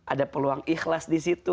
ada peluang ikhlas disitu